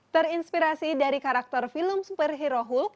terinspirasi dari karakter film superhero hulk